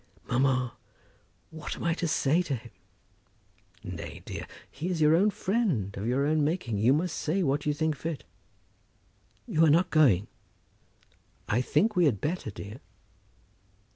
"Mamma, what am I to say to him?" "Nay, dear; he is your own friend, of your own making. You must say what you think fit." "You are not going?" "I think we had better, dear."